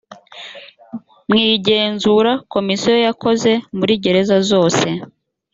mu igenzura komisiyo yakoze muri gereza zose